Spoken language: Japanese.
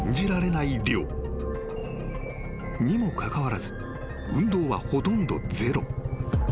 ［にもかかわらず運動はほとんどゼロ］